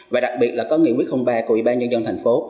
và đặc biệt là có nghị quyết ba của ủy ban nhân dân thành phố